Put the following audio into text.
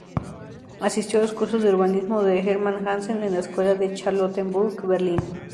Asistió a los Cursos de Urbanismo de Herman Jansen en la Escuela de Charlottenburg-Berlin.